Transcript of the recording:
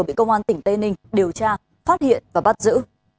bị công an tỉnh tây ninh điều tra phát hiện và bắt giữ